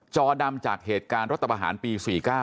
จอดำจากเหตุการณ์รัฐประหารปี๔๙